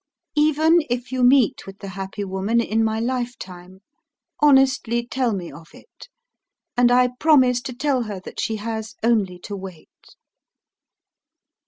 Even if you meet with the happy woman in my lifetime, honestly tell me of it, and I promise to tell her that she has only to wait.